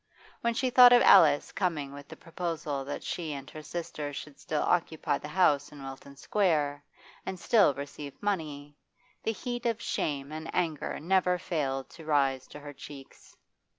When she thought of Alice coming with the proposal that she and her sister should still occupy the house in Wilton Square, and still receive money, the heat of shame and anger never failed to rise to her cheeks.